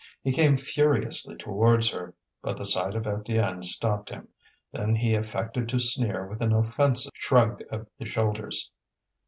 He came furiously towards her, but the sight of Étienne stopped him. Then he affected to sneer with an offensive shrug of the shoulders.